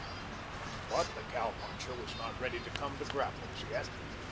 But the cow puncher was not ready to come to grapples yet.